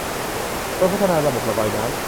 โดยพัฒนาระบบระบายน้ำ